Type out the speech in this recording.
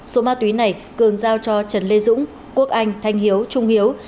số ma túy này cường giao cho trần lê dũng quốc anh thanh hiếu trung hiếu